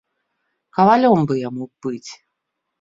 Кавалём бы яму быць.